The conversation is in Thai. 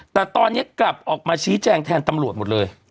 แต่ตอนนี้กลับออกมาชี้แจงแทนตำรวจหมดเลย